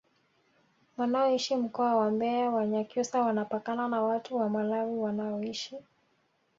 wanaoishi mkoa wa mbeya wanyakyusa wanapakana na watu wa malawi wanaoishi